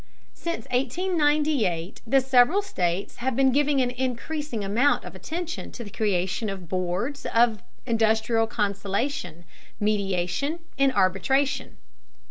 Since 1898 the several states have been giving an increasing amount of attention to the creation of boards of industrial conciliation, mediation, and arbitration.